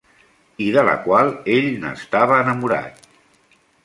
I de la qual ell n'estava enamorat.